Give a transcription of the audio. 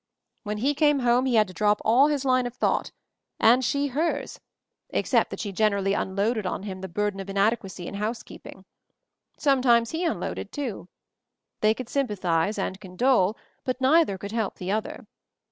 "When he came home he had to drop all his line of thought — and she hers, except that she generally unloaded on him the bur den of inadequacy in housekeeping. Some times he unloaded, too. They could sympa thize and condole, but neither could help the other.